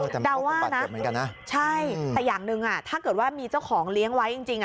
แต่อย่างหนึ่งถ้าเกิดว่ามีเจ้าของเลี้ยงไว้จริง